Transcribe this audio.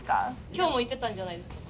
今日も行ってたんじゃないですか。